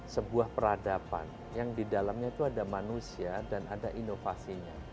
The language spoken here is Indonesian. sebuah peradaban yang di dalamnya itu ada manusia dan ada inovasinya